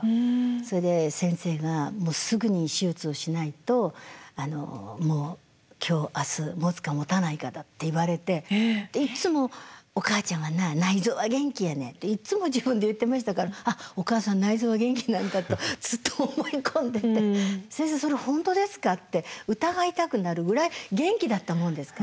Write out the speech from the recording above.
それで先生が「もうすぐに手術をしないともう今日明日もつかもたないかだ」って言われていつも「おかあちゃんはな内臓は元気やねん」っていっつも自分で言ってましたから「あっお母さん内臓は元気なんだ」とずっと思い込んでて「先生それ本当ですか？」って疑いたくなるぐらい元気だったもんですから。